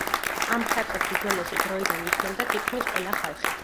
ამ ხერხებს უძველესი დროიდან იცნობდა თითქმის ყველა ხალხი.